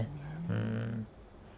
うん。